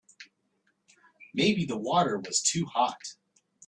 Maybe the water was too hot.